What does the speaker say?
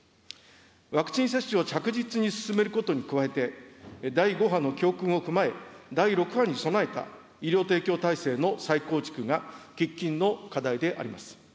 ワクチン接種を着実に進めることに加えて、第５波の教訓を踏まえ、第６波に備えた医療提供体制の再構築が喫緊の課題であります。